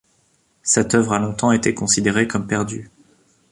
Cette œuvre a longtemps été considérée comme perdue.